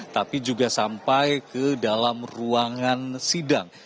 tapi juga sampai ke dalam ruangan sidang